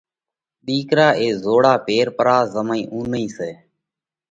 ۮِيڪرا اي زوڙا پير پرا۔ زمئِي اُونئِي سئہ۔